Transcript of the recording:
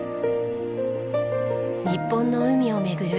日本の海を巡る